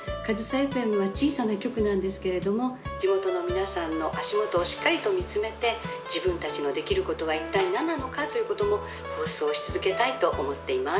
エフエムは小さな局なんですけれども地元の皆さんの足元をしっかりと見つめて自分たちのできることは一体なんなのかということも放送し続けたいと思っています。